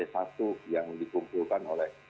satu yang dikumpulkan oleh